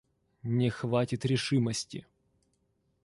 Не хватит решимости.